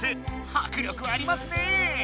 はくりょくありますね！